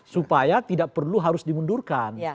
supaya tidak perlu harus dimundurkan